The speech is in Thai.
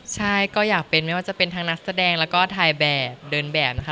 ใช่ก็อยากเป็นไม่ว่าจะเป็นทั้งนักแสดงแล้วก็ถ่ายแบบเดินแบบนะคะ